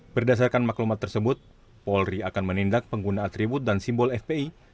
berdasarkan maklumat tersebut polri akan menindak pengguna atribut dan simbol fpi